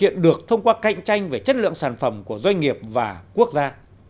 việc thực hiện được thông qua cạnh tranh về chất lượng sản phẩm của doanh nghiệp và quốc gia